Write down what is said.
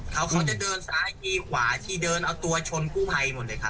เขาเขาจะเดินซ้ายทีขวาทีเดินเอาตัวชนกู้ภัยหมดเลยครับ